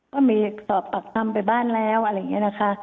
ก็มีสอบปรักษณ์ธรรมไปบ้านแล้วอะไรอย่างนี้นะคะ